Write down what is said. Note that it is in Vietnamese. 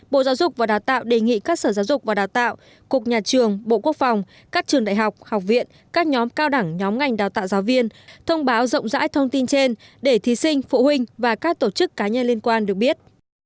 bộ giáo dục và đào tạo đề nghị các sở giáo dục và đào tạo cục nhà trường bộ quốc phòng các trường đại học học viện các nhóm cao đẳng nhóm ngành đào tạo giáo viên thông báo rộng rãi thông tin trên để thí sinh phụ huynh và các tổ chức cá nhân liên quan được biết